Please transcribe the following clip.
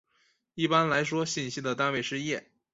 一般来说信息的单位是页。